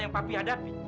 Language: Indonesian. yang papi hadapi